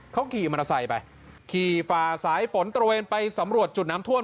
เขาขี่มอเตอร์ไซค์ไปขี่ฝ่าสายฝนตระเวนไปสำรวจจุดน้ำท่วม